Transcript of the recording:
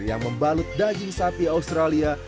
yang membalut daging sapi australia